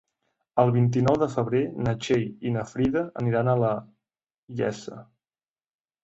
El vint-i-nou de febrer na Txell i na Frida aniran a la Iessa.